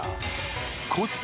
コスパ